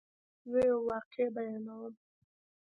زه یوه واقعه بیانوم.